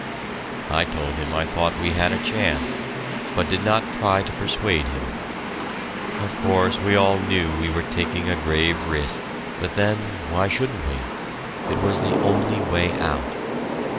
I told him I thought we had a chance, but did not try to persuade him. Of course, we all knew we were taking a grave risk, but then, why shouldn't we? It was the only way out.